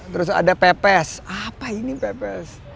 terus ada pepes apa ini bebas